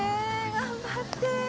頑張って！